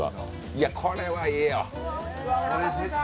いや、これはええよ。